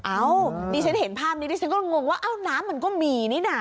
ดิฉันเห็นภาพนี้ดิฉันก็งงว่าเอ้าน้ำมันก็มีนี่น่ะ